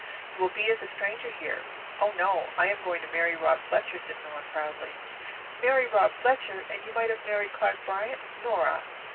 You will be as a stranger here." "Oh, no. I am going to marry Rob Fletcher," said Nora proudly. "Marry Rob Fletcher! And you might have married Clark Bryant, Nora!"